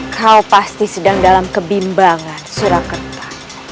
kau pasti sedang dalam kebimbangan surakarta